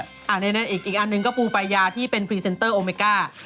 อันนี้อีกอันหนึ่งก็ปูปายาที่เป็นพรีเซนเตอร์โอเมก้า